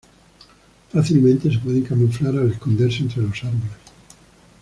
Fácilmente se pueden camuflar al esconderse entre los árboles.